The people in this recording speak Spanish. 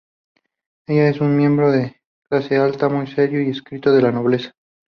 Ella es un miembro de clase alta muy serio y estricto de la nobleza.